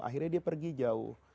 akhirnya dia pergi jauh